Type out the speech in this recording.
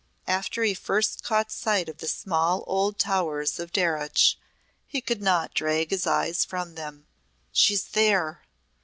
After he first caught sight of the small old towers of Darreuch he could not drag his eyes from them. "She's there!